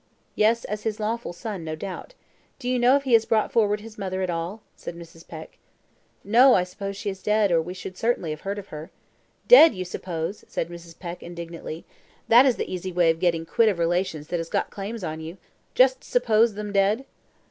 "Yes, as his lawful son, no doubt. Do you know if he has brought forward his mother at all?" said Mrs. Peck. "No; I suppose she is dead, or we should certainly have heard of her." "Dead, you suppose!" said Mrs. Peck, indignantly; "that is the easy way of getting quit of relations that has got claims on you just Suppose them dead?"